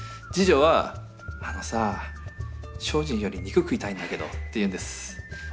次女は「あのさぁ精進より肉食いたいんだけど」って言うんです。